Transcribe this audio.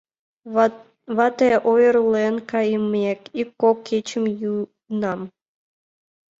Вате ойырлен кайымек, ик-кок кечым йӱынам...